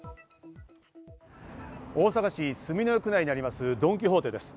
大阪市住之江区内にありますドン・キホーテです。